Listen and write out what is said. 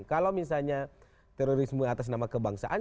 kalau misalnya terorisme atas nama kebangsaan